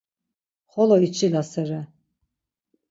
Xolo içilasere.